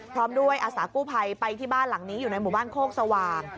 พร้อมด้วยอาสากู้ภัยไปที่บ้านหลังนี้อยู่ในหมู่บ้านโคกสว่าง